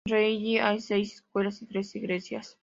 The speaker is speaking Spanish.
En Reni hay seis escuelas y tres iglesias.